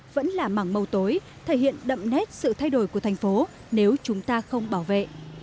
vẫn là mảng màu tối thể hiện đậm nét sự thay đổi của thành phố nếu chúng ta không bảo vệ